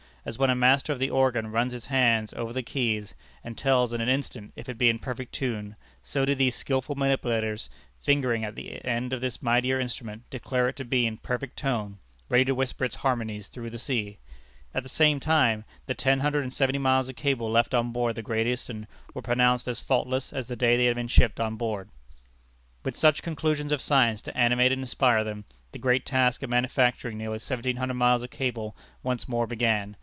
As when a master of the organ runs his hands over the keys, and tells in an instant if it be in perfect tune, so did these skilful manipulators, fingering at the end of this mightier instrument, declare it to be in perfect tone, ready to whisper its harmonies through the seas. At the same time, the ten hundred and seventy miles of cable left on board the Great Eastern were pronounced as faultless as the day they had been shipped on board. With such conclusions of science to animate and inspire them, the great task of manufacturing nearly seventeen hundred miles of cable once more began.